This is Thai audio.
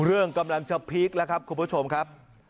เรื่องกำลังจะพีคแล้วครับคุณผู้ชมครับ